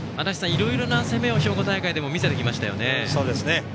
いろいろな攻めを兵庫大会でも見せてきましたよね。